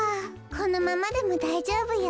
このままでもだいじょうぶよ。